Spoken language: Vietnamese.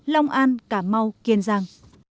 long an cảm mau kiên giang